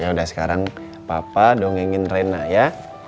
yaudah sekarang papa dongengin rena ya